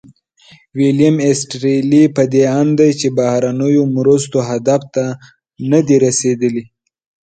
ویلیم ایسټیرلي په دې اند دی چې بهرنیو مرستو هدف ته نه دي رسیدلي.